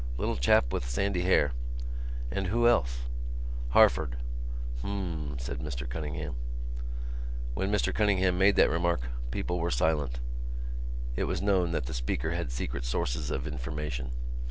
Little chap with sandy hair...." "And who else?" "Harford." "Hm," said Mr Cunningham. When Mr Cunningham made that remark, people were silent. It was known that the speaker had secret sources of information.